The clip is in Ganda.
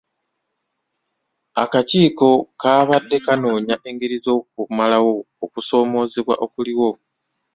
Akakiiko kaabadde kanoonya engeri z'okumalawo okusoomoozebwa okuliwo.